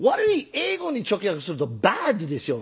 英語に直訳すると「バッド」ですよ。